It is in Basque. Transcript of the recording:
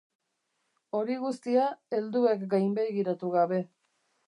Hori guztia helduek gainbegiratu gabe.